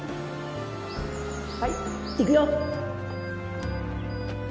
はいいくよ